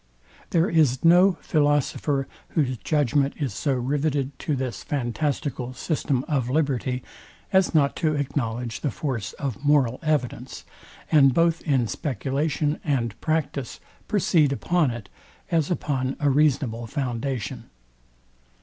There is no philosopher, whose judgment is so riveted to this fantastical system of liberty, as not to acknowledge the force of moral evidence, and both in speculation and practice proceed upon it, as upon a reasonable foundation.